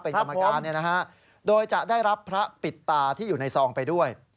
เป็นกรรมการโดยจะได้รับพระปิดตาที่อยู่ในซองไปด้วย